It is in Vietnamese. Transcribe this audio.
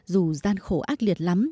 dù gian khổ ác liệt lắm